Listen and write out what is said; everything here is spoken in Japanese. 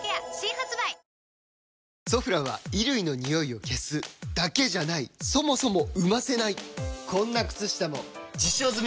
「ソフラン」は衣類のニオイを消すだけじゃないそもそも生ませないこんな靴下も実証済！